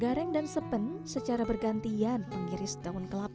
mereka berani juga berantage di user stores